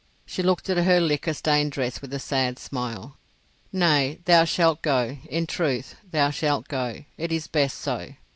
She looked at her liquor stained dress with a sad smile. "Nay, thou shalt go, in truth, thou shalt go. It is best so.